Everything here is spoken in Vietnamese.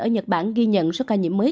ở nhật bản ghi nhận số ca nhiễm mới